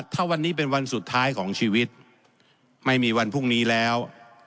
ถ้าวันนี้เป็นวันสุดท้ายของชีวิตไม่มีวันพรุ่งนี้แล้ว